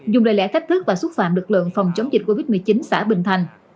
dùng lời lẽ thách thức và xúc phạm lực lượng phòng chống dịch covid một mươi chín xã bình thành